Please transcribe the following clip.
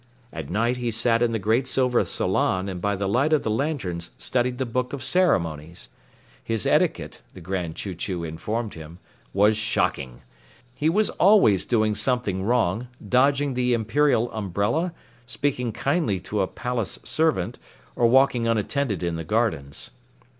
At night he sat in the great silver salon and by the light of the lanterns studied the Book of Ceremonies. His etiquette, the Grand Chew Chew informed him, was shocking. He was always doing something wrong, dodging the Imperial Umbrella, speaking kindly to a palace servant, or walking unattended in the gardens.